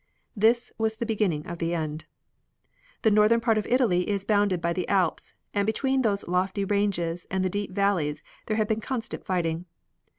This was the beginning of the end. The northern part of Italy is bounded by the Alps, and between those lofty ranges and the deep valleys there had been constant fighting.